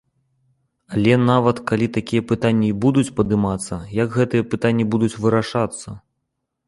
Але, нават, калі такія пытанні і будуць падымацца, як гэтыя пытанні будуць вырашацца?